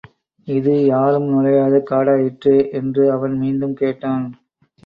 இது யாரும் நுழையாத காடாயிற்றே! என்று அவன் மீண்டும் கேட்டான்.